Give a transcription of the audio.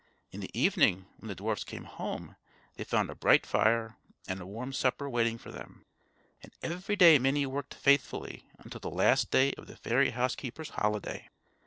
In the evening when the dwarfs came home, they found a bright fire and a warm supper waiting for them; and every day Minnie worked faithfully until the last day of the fairy housekeeper's holiday.